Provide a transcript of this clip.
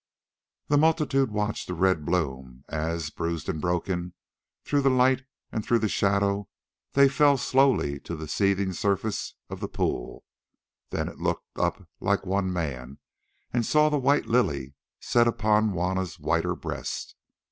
The multitude watched the red blooms as, bruised and broken, through the light and through the shadow, they fell slowly to the seething surface of the pool; then it looked up like one man and saw the white lily set upon Juanna's whiter breast.